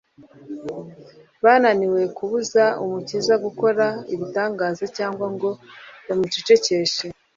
Bananiwe kubuza Umukiza gukora ibitangaza cyangwa ngo bamucecekeshe,